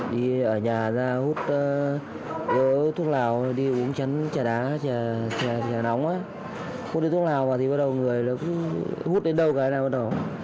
đi ở nhà ra hút thuốc lào đi uống chắn trà đá trà nóng hút thuốc lào vào thì người hút đến đâu cái nào bắt đầu